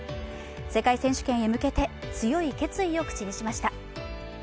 世界選手権へ向けて強い決意を口にしました。